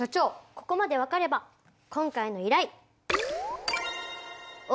ここまで分かれば今回の依頼。